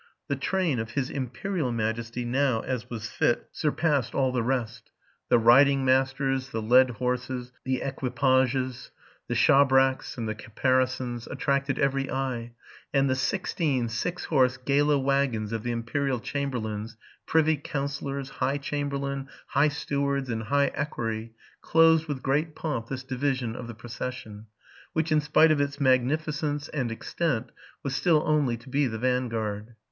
'The train of his imperial majesty now, as was fit, surpassed all the rest. The riding masters, the led horses, the equipages, the shabracks and caparisons, attracted every eye; and the sixteen six horse gala wagons of the imperial chamberlains, privy councillors, "high cham berlain, high stewards, and high equerry, closed, with great pomp, this division of the procession, which, in spite of its magnificence and extent, was still only to be the vanguard.